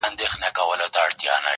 ښایسته د پاچا لور وم پر طالب مینه سومه٫